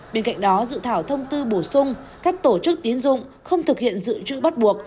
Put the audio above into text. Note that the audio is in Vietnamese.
bên cạnh đó dự thảo thông tư bổ sung các tổ chức tiến dụng không thực hiện dự trữ bắt buộc